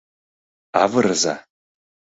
Авырыза.